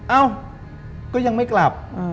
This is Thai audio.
เอ้าก็ยังไม่กลับ